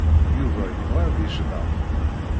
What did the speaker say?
Yuba yebɣa ad yecḍeḥ.